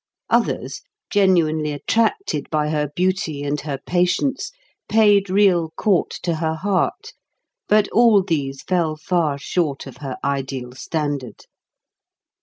Others, genuinely attracted by her beauty and her patience, paid real court to her heart; but all these fell far short of her ideal standard.